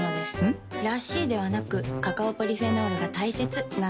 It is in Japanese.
ん？らしいではなくカカオポリフェノールが大切なんです。